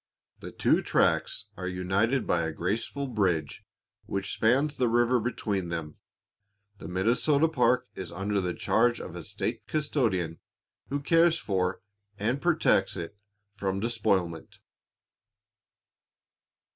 The two tracts are united by a graceful bridge which spans the river between them. The Minnesota park is under the charge of a state custodian, who cares for and protects it from despoilment.